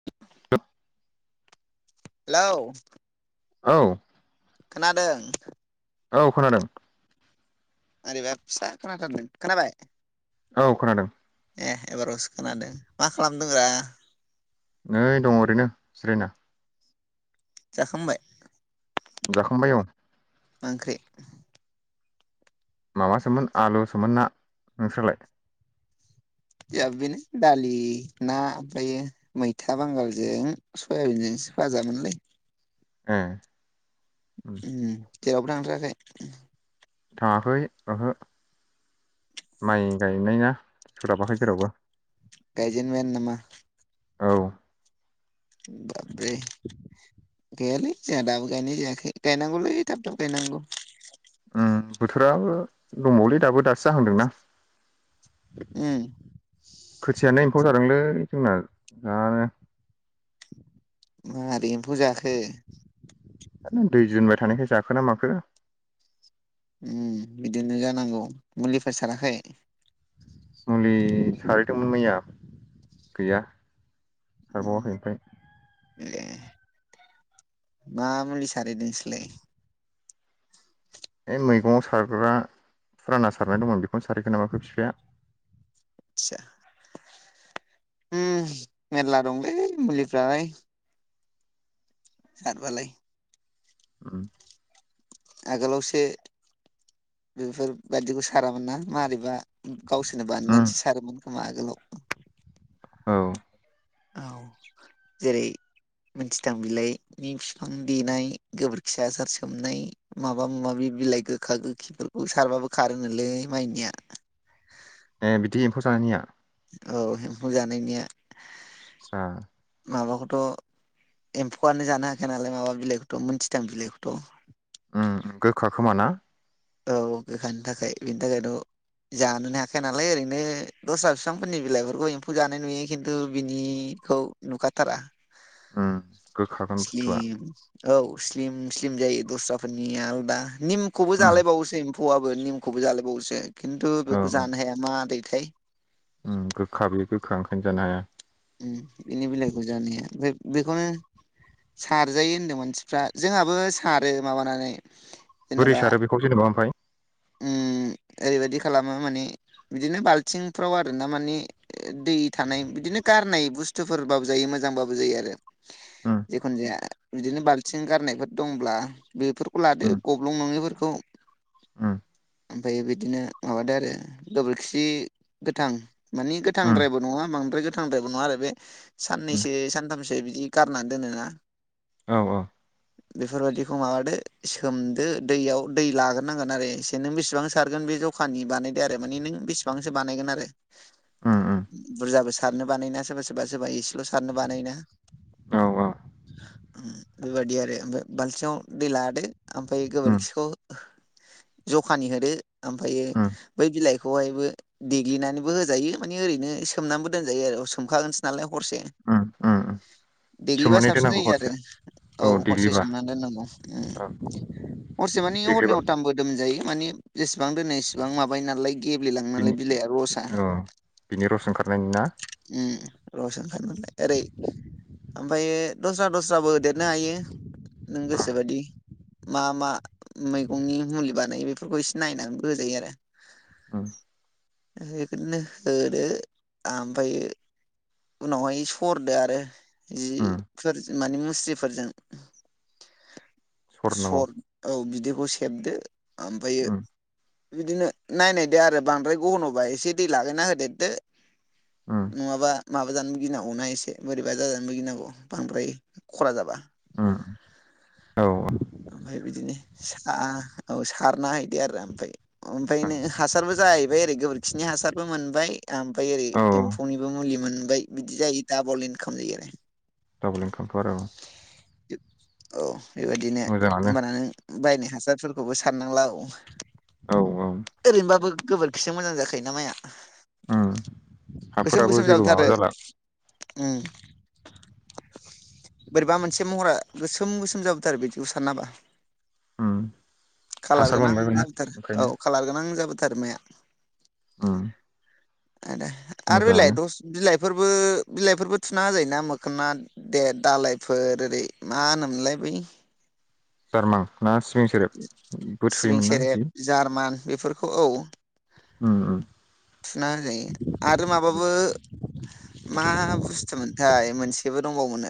[inaudible] हेल' औ खोनादों? औ खोनादों। ओरैबा फिसा खोनाथारदों खोनाबाय? औ खोनादों। ए एबारावसो खोनादों मा खालामदों रा? नै दं ओरैनो जिरायना। जाखांबाय? जाखांबाय औ। मा ओंख्रि माबासोमोन आलुसोमोन ना नोंस्रालाय जोहाबो बेनो दालि ना ओमफायो मैथा बांगालजों सयाबिनजों फाजा मोनलै ओ ओम जेरावबो थांखायाखै थाङाखै ओहो माइ गायनाय ना सोलाबाखै जेरावबो गायजेन बायानो नामा औ बाबरे गैयालै जोंहा दाबो गायनाय जायाखै गायनांगौलै थाब थाब गायनांगौ ओं बोथोराबो दंबावोलै दाबो दासो जाहांदोंना उम खोथियानो एम्फौ जादोंलै। जोंना जानो मारै एम्फौ जाखो जानो दै दोनबाय थानायखाय जाखो ना माखो। उम बिदिनो जानांगौ मुलिफोर साराखै? मुलि सारैदोंमोन मैया गैया। उम सारबावाखै ओमफाय? ए मा मुलि सारैदों नोंसोरलाय? ऐ मैगङाव सारग्रा फुराना सारनाय दंमोन बेखौनो सारैदों नामाथाय बिफाया। तसा। उम मेरला दंलै मुलिफ्रालाय। सारबालाय। उम आगोलावसो बेफोर बायदिखौ सारामोन ना मारैबा गावसोरनो उम बानायनानैसो सारोमोन खोमा आगोलाव। [inaudible] औ औ जेरै मोनथिथां बिलाइनि फिफां देनाय गोबोरखि आसार सोमनाय माबा माबि बिलाइ गोखा गोखिफोरखौ सारबाबो खारोनोलै माइनिया। ए बिदि एम्फौ जानायनिया? औ एम्फौ जानायनिया। सा माबाखथ' एम्फौआनो जानो हाखाया नालाय माबा बिलाइखौथ मोनथिथां बिलाइखौथ'। उम गोखा खोमा ना? औे गोखानि थाखाय बिनि थाखायथ' जानोनो हाखाया नालाय ओरैनो दस्रा फिफांफोरनि बिलाइफोरखौ एम्फौ जानाय नुयो खिन्थु बिनि खौ नुखा थारा। ओ गोखागोन बुस्थुआ। औ स्लिम स्लिम जायो दस्राफोरनिया आलदा निमखौबो उम जालाय एम्फौआबो निमखौबो जालायबावोसो खिन्थु औ बेखौ औ जानो हाया मादैथाय? उम गोखा बियो गोखा ओंखायनो जानो हाया। उम बिनि बिलाइखौ जानो हाया ओमफाय बेखौनो सारजायो होनदों मानसिफ्रा जोंहाबो सारो माबानानै बोरै जेनेबा सारो बेखौ जेनेबा ओमफाय? उम ओरैबायदि खालामो माने बिदिनो बालथिंफ्राव आरोना माने दै थानाय बिदिनो गारनाय बुस्थुफोरबाबो जायो मोजांबाबो जायो आरो। उम जिखुनु जाया बिदिनो बाल्थिं गारनायफोर दंब्ला बेफोर लादो उम गब्लं नङैफोरखौ उम ओमफाय बिदिनो माबादो आरो गोबोरखि गोथां माने उम गोथांद्रायबो नङा बांद्राय गोथांद्रायबो नङा आरो बे उम साननैसो सानथामसो बिदि गारनानै दोनोना औ औ बेफोरबायदिखौ माबादो सोमदो दैयाव दै लाग्रोनांगोन आरो एसे नों बेसिबां सारगोन बे जखानि बानायदो आरो माने नों बेसेबांसो बानायगोन आरो। उम उम बुरजाबो सारनो बानायना सोरबा सोरबा सोरबा एसेल' सारनो बानायोना। औ औ बेबायादि आरो ओमफ्राय बाल्थिङाव दै लादो ओमफाय उम गोबोरखिखौ [inaudible] जखानि होदो ओमफायो उम बै बिलाइखौहायबो देग्लिनानैबो होजायो माने ओरैनो सोमनाबो दोनजायो आरो सोमखागोनसो नालाय हरसे। उम उम उम देग्लिबा सोमनानै साबसिन दोननांगौ जायो आरो हरसे औ हरसे सोमनानै दोननांगौ औ हरसे माने हरनै देग्लिबा हरथामबो दोमजायो माने जेसेबां दोनो एसेबां माबायो नालाय गेब्लेलाङो नालाय बिनि बिलाइआ रसा औ बिनि रस ओंखारनायनि ना रस ओंखारोनालाय ओरै ओमफ्राय दस्रा दस्राबो होदेरनो हायो। नों गोसोबायदि मा मा मैगंनि मुलि बानायो बे बेफोरखौ इसे नायनानैबो होजायो आरो औ बेबायदिनो होदो ओमफ्रायो उनावहाय सरदो आरो। उम जिफोर माने मुस्रिफोरजों सरनांगौ सर औ बिदैखौ सेबदो ओमफ्रायो उम बिदिनो नायनायदो आरो बांद्राय गन'बा एसे दै लागायना होदेरदो उम नङाबा माबाजानोबो गिनांगौना एसे बोरैबा जाजानो गिनांगौ बांद्राय खरा जाबा उम औ औ ओमफ्राय बिदिनो सा औ सारना हैदो आरो ओमफ्राय र ओमफ्राय नो औ हासारबो जायो। जाहैबाय ओरै गोबोरखिनि हासारबो मोनबाय। ओमफ्राय ओरै औ एम्फौनिबो मुलि मोनबाय बिदि जायो दाबल इनकाम जायो आरो। डाबल इनखामथ' आरो औ औ बेबायदिनो मोजाङानो होमबाना नों बायनो हासारफोरखौबो सारनांला औ औ ओरैनोबाबो गोबोरखिजो मोजां जाखायोना माया। गोसोम हाफोराबो गोसोम जेबो जाबोथारो माबा जाला बोरैबा मोनसे एखे महरा गोसोम गोसोम जाबोथारो बिदिखौ सारना होबा उम कालार हासार गोनां मोनबायबो ना जाबोथारो ओंखायनो औ कालार गोनां जाबोथारो माया ओम आ दे आरो बेलाय दस बिलाइ बेफोरबो बिलाइफोरबो थुना होजायोना मोखना दालायफोर ओरै मा होनोमोनलाय बै जारमां ना सिबिं सेरेबबो सिबिं थुयोमोन ना? सेरेब जार्मान बेफोरखौ औ ओम ओम थुना होजायो आरो माबाबो मा बुस्थुमोन फ्राय मोनसेबो दंबावोन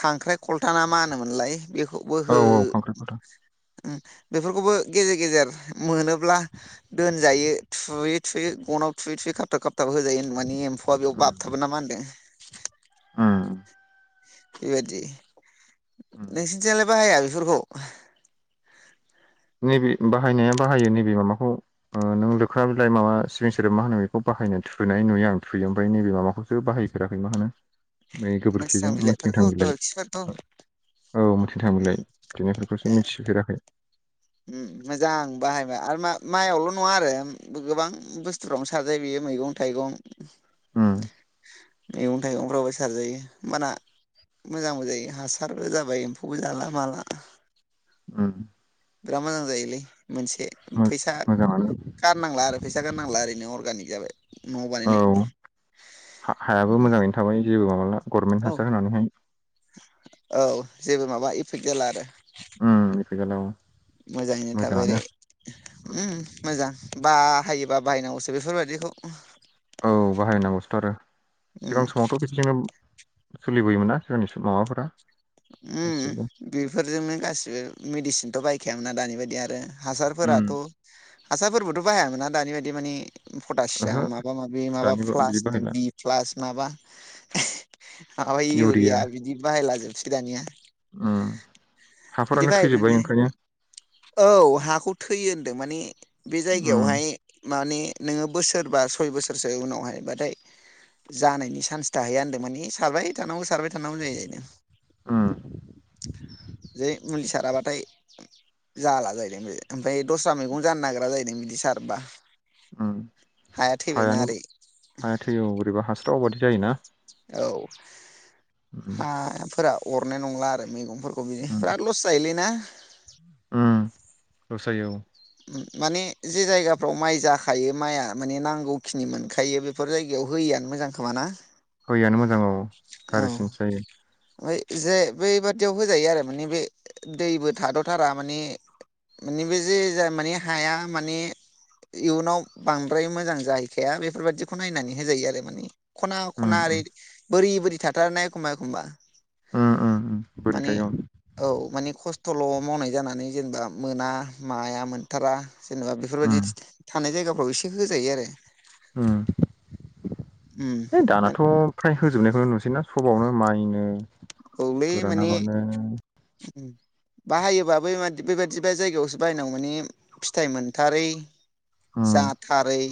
खांख्राइ खलथा ना मा होनोमोनलाय बे औ औ खांख्रिखला [unintelligible] ओ बेफोरखौबो गेजेर गेजेर मोनोब्ला दोनजायो थुयै थुयै गनाव थुयै थुयै खाबथा खाबथा होजायो होनबा माने एम्फौआ बेयाव उम बाबथाबो ना मा होनदों उम बेबायादि उम नोंसोरनिथिलाय बाहाया बेफोरखौ नैबे बाहायनाया बाहायो नैबे माबाखौ नों लोख्रा बिलाइ माबा सिबिं सोदोब मा होनो बेखौ बाहायो। बाहायनो थुनाय नुयो आं थुयो ओमफ्राय नैबे माबाखौसो बाहायफेराखै मा होनो बेै मोनथिथां गोबोरखिजों मोनथिं थां बिलाइफोरखौ बिलाय गोबोरखिफोरखौ औ मोनथिं थां बिलाय बिनाय बेखौसो मिथिफेराखै ओ मोजां बाहायबाय आरो म माइआवल' नङा आरो गोबां बुस्थुफ्रावनो साजायो बेयो मैगं थाइगं उम मैगं थाइगंफ्रावबो सारजायो होमबाना मोजांबो जायो हासारबो जाबाय एम्फौबो जाला माला उम बिराद मोजां जायोलै मोनसे मो फैसा मोजाङानो गारनांला आरो फैसा गारनांला ओरैनो अर्गानिक जाबाय। न आव बानायनाय हायाबो मोजाङैनो थाबाय जेबो माबाला गभर्नमेन्ट औ हासार होनानैहाय औ जेबो माबा इफेक्ट जाला आरो उ बे जेल मोजाङैनो थाबायरै मोजां ब हायोबा बाहायनांगौसो बेफोरबायाददिखौ औ बाहायनांगौसोथ' आरो उम सिगां समावथ' बिदिजोंनो सोलिबोयोमोना सोरनि माबाफोरा गासिबो बेफोरजोंनो गासिबो मेडिसिनथ' बायखायामोना दानि बायदि आरो उम हासारफोराथ' हासारफोरबोथ' बाहायामोना दानि बायदि मानिे ओहो पटासियाम माबा माबि माबा दानि बिदि प्लासनो बाहायला बि प्लास माबा माबाय इउरिया बिदि बाहायलाजोबसै दानिया [inaudible] बिदिबाय थैजोब्बाय माने ओंखायनो औ हाखौ थैयो होनदों माने बे उम जायगायावहाय माने नोङो बोसोर बा सय बोसोरसो उनावहाय बाथाय जानायनि चान्स थाहैया होनदों माने सारबाय थानांगौ सारबाय थानांगौ जायो जाहैदों [inaudible] जे मिथिसाराबाथाय जाला जाहैदों ओमफ्राय दस्रा मैगं जानो नागिरा जाहैदों बिदि सारबा हाया थैबायना हायानो ओरै हाया थैयो बोरैबा हास्राव बादि जायोना औ उम हफोरा अरनाय नंला आरो मैगं फोरखौ बिदि उम बिराद लस जाहैोलै ना रसायो औ माने जे जायगाफ्राव माइ जाखायो माइआ माने नांगौखिनि मोनखायो बेफोर जायगायाव होयो दैयानो मोजां खोमााना फययानो मोजां औ गारि्रिसिनसो जायो ओफ्राय जे बबादियाव होजायो आरो माने बे दैबो थाद'थारा माने माने बे जे ज माने हाया माने इयुनाव बांद्राय मोजां जाहैखाया बेफोरबादिखौ नायनानै होजायो आरो माने खना उम खना ओरै उम बोरै बोरै थाथारनाय एखमबा एखमबा उम उम उम बोरै माने थायो औ माने खस्थ' थल' मावनाय जानानै जेनेबा मोना माया मोनथारा जेनेबा उम बेफोरबायदि थानाय जायगाफ्राव एसे होजायो आरो उम हैओइ दानाथ' फ्राय होजोबनायखौनो नुसैना खबावनो माइनो औल गोरान माने आबादनो बाहायोबा बे बेबादि बे जायगायावसो बायनांगौ माने फिथाइ मोनथारै उम जतारै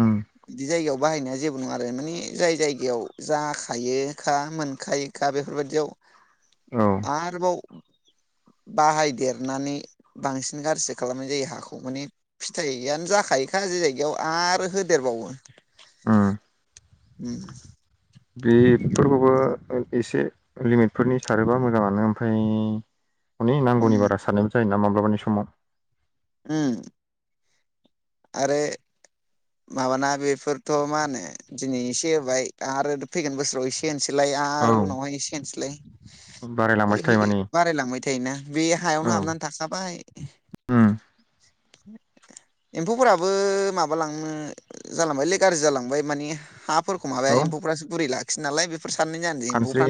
उम बिदि जायगायाव बाहायनाया जेबो नङा आरो माने जाय जायगायाव जाखायोखा मोनखायोखा बेफोरबायदियाव औ आरो बाव बाहायदेरनानै बांसिन गारर्जि खालामनाय जायो हाखौ माने फिथाइयनो जाखायोखा जि जायगायाव आरो होदेरबावो उम बेफोरखौबो एसे लिमिटफोरनि सारोबा मोजांआनो ओमफ्राय अनेक उम नांगौनि बारा साननायबो जायोना माब्लाबानि समाव उम आरो माबाना बेफोरथ' मा होनो दिनै एसे होबाय आरो फैगोन बोसोराव एसे होनोसै सैलाय औ आरो उनावहाय एसे होनोसैलाय बारायलांबायसो थायो होयै-होयै माने बारायलांबाय थायोना बे हायावनो औ हाबनानै थाखाबाय उम [unintelligible] एम्फौफोराबो माबालांनो जालांबायलै गाज्रि जालांबाय मानि हा फोर माबाया औ एम्फौफ्रासो गुरैखियो नालाय बे खानस्रि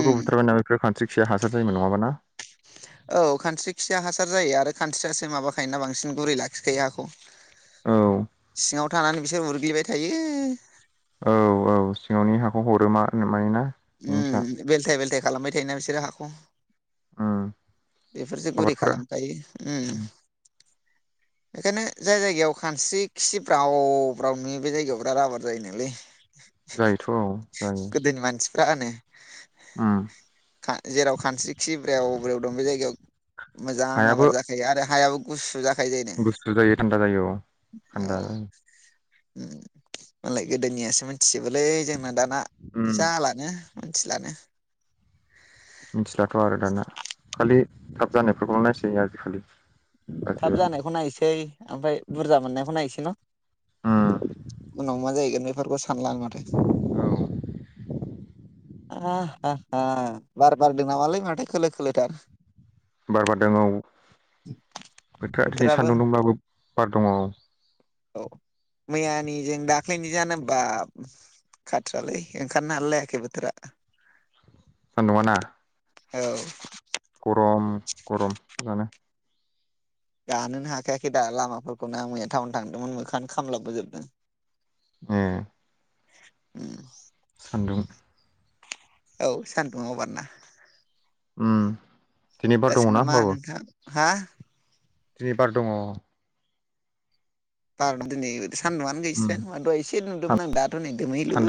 उम बुथारबाय नाम बेफोर खान स्रिखिया हासार जायोन नङाबा ना औ खानस्रिखिया हासार जायो आरो खानस्रियासो माबाखायोना बांसिन गुरै लाखिखायो हाखौ। औ सिङाव थानानै बिसोर उरग्लिबाय थायो। औ-औ सिङावनि हाखौ हरो मा-मानोना उम बेलथाय-बेलथाय खालामबाय थायोना बिसोरो हाखौ। उम बेफोरसो गुरै आबादफोरा खालामखायो उम। बेखायनो जाय जायगायाव खानस्रि खि ब्राव-ब्राव नुयो बे जायगायाव बिराद आबार जायो नोलै। जायोथ' जायो। गाआानो उम खा ओ जेराव खानस्रि खि ब्रेव-ब्रेव दं बे जायगायाव मोजां आबाद जाखायो आरो हायाबो गुसु जा बुसु जायो थान्दा जायो औ थान्दा औ उम मालाय गोदोनियासो मिथिजबोलै जोंना दाना उम जाला मानथिलानो मिथिलाथ' आरो दाना खालि थाब जानायफोरखौल' नायसै आजिखालि। उम थाब गासैबो जानायखौ नायसै ओमफ्राय बुरजा मोननायखौ नायसै। न' उनाव मा जायैगोन बेफोरखै सा सानलानो माथो। उम आ हा-हा बार-बारदो नामालै माथो खोलो-खोलोथार बार बादों औ बोथोरा दिनै बोथोराबो सान्दुं दब्लाबो बार दङ। औ मैयानि जों दाख्लैनि जानो हबा खाथ्रालै ओंखनो हालाय लायाखै बोथोरा। सानदुंङा ना। औ गरम-गरम गोजानो गानोनो हाखायाखै दा लामाफोरखौनो आं मैया टाउन थांदोंमोन मोखाङानो खामलाबोजोबदों। उम उम सान्दुं औ सान्दुङाबार ना उम जेनोबा दङना नामा होमबाबो नोंथां हा दिनै बार दंङ बार दिनै सान्दुंआनो गैस्राया दहाय एसे नुदोंमोन आं दाथ' नै दोमहैलु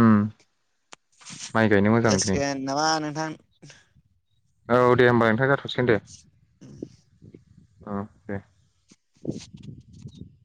ओम जासिगोन नामा नोंथां औ दे होमबा नोंथां जाथ'सिगोन दे उ [inaudible] [unintelligible] औ दे [inaudible]